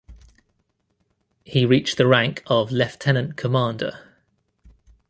He reached the rank of Lt Commander.